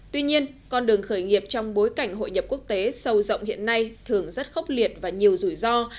tuy nhiên con đường khởi nghiệp trong bối cảnh hội nhập quốc tế sâu rộng hiện nay thường rất khốc liệt và nhiều rủi ro